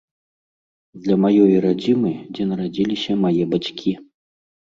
Для маёй радзімы, дзе нарадзіліся мае бацькі.